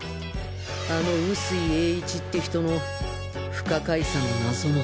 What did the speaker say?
あの臼井栄一って人の不可解さの謎も。